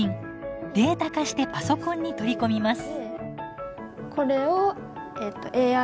データ化してパソコンに取り込みます。